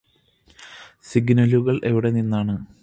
സിഗ്നലുകൾ ഇവിടെനിന്നാണ്